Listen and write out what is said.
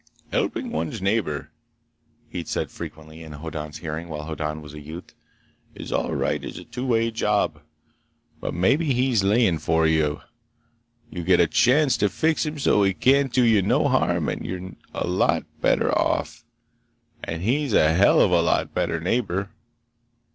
"Helping one's neighbor," he'd said frequently in Hoddan's hearing while Hoddan was a youth, "is all right as a two way job. But maybe he's laying for you. You get a chance to fix him so he can't do you no harm and you're a lot better off and he's a hell of a lot better neighbor!"